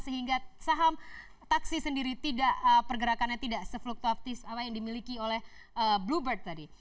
sehingga saham taksi sendiri tidak pergerakannya tidak se fluktuatif yang dimiliki oleh bluebird tadi